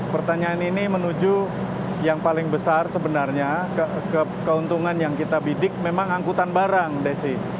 pertanyaan ini menuju yang paling besar sebenarnya keuntungan yang kita bidik memang angkutan barang desi